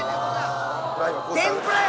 天ぷらや！